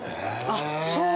あっそう。